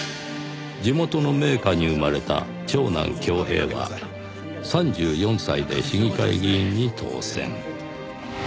地元の名家に生まれた長男郷平は３４歳で市議会議員に当選。